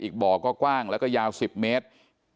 อีกบ่อก็กว้างแล้วก็ยาว๑๐เมตร